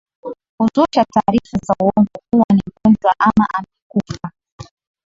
huzusha taarifa za uongo kuwa ni mgonjwa ama amekufa